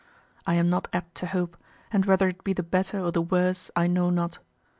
I am not apt to hope, and whether it be the better or the worse I know not.